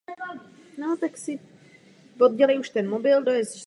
V dnešní době je tango rozšířeno takřka po celém světě.